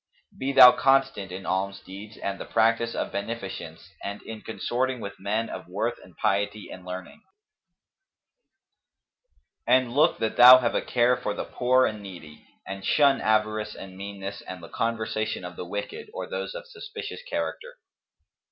[FN#259] Be thou constant in alms deeds and the practice of beneficence and in consorting with men of worth and piety and learning; and look that thou have a care for the poor and needy and shun avarice and meanness and the conversation of the wicked or those of suspicious character.